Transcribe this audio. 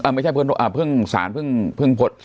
ไม่ใช่เพิ่งสารเพิ่งพด